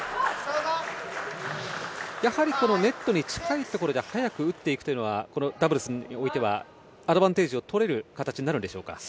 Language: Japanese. やはりネットに近いところで速く打っていくというのはこのダブルスにおいてはアドバンテージを取れる形になるんでしょうか？